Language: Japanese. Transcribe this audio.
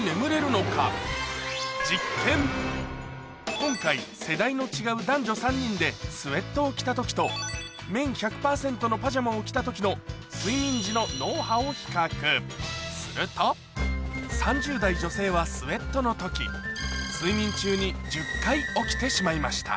今回世代の違う男女３人でスエットを着た時と綿１００％のパジャマを着た時のすると３０代女性はスエットの時睡眠中に１０回起きてしまいました